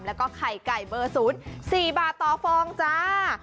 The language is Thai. แล้วก็ไข่ไก่เบอร์๐๔บาทต่อฟองจ้า